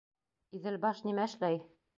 Иҙелбаш нимә эшләй?